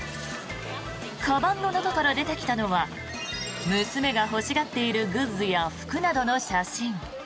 かばんの中から出てきたのは娘が欲しがっているグッズや服などの写真。